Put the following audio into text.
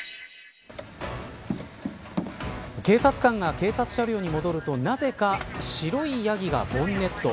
警察官が警察車両に戻るとなぜか白いヤギがボンネット。